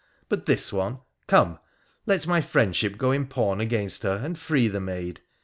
But this one !— come !— let my friend ship go in pawn against her, and free the maid.